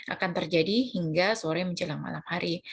akan terjadi hingga sore menjelang malam hari